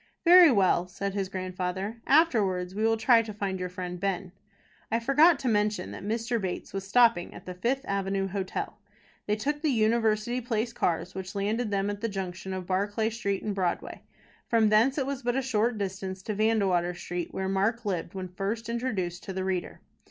"Very well," said his grandfather. "Afterwards we will try to find your friend Ben." I forgot to mention that Mr. Bates was stopping at the Fifth Avenue Hotel. They took the University Place cars, which landed them at the junction of Barclay Street and Broadway. From thence it was but a short distance to Vandewater Street, where Mark lived when first introduced to the reader.